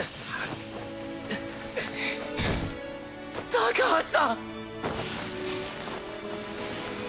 高橋さん。